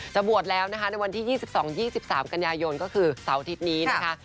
บวชแล้วนะคะในวันที่๒๒๒๓กันยายนก็คือเสาร์อาทิตย์นี้นะคะ